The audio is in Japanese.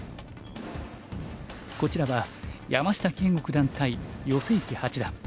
こちらは山下敬吾九段対余正麒八段。